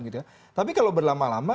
gitu ya tapi kalau berlama lama